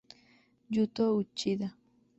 Yuto Uchida